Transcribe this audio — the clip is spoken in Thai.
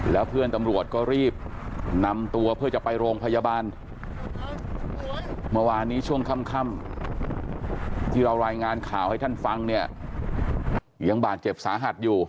แล้วเพื่อนตำรวจก็รีบนำตัวเพื่อจะไปโรงพยาบาลเมื่อวานนี้ช่วงค่ำที่เรารายงานข่าวให้ท่านฟังเนี่ยยังบาดเจ็บสาหัสอยู่